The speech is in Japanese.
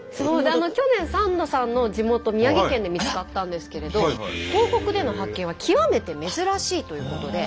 去年サンドさんの地元宮城県で見つかったんですけれど東北での発見は極めて珍しいということで。